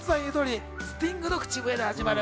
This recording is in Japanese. スティングの口笛で始まる。